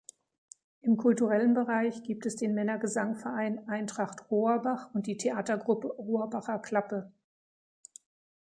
Im kulturellen Bereich gibt es den Männergesangverein Eintracht Rohrbach und die Theatergruppe „Rohrbacher-Klappe“.